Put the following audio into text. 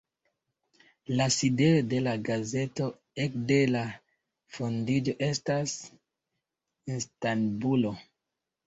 La sidejo de la gazeto ekde la fondiĝo estas Istanbulo.